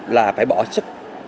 là phải bỏ sức